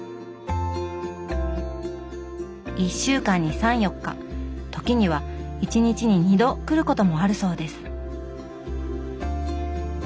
１週間に３４日時には１日に２度来ることもあるそうです。